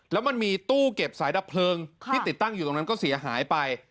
แล้วมันมีตู้เก็บสายดับเพลิงที่ติดตั้งอยู่ตรงนั้นก็เสียหายไป